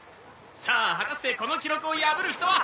さあ果たしてこの記録を破る人は現れるか？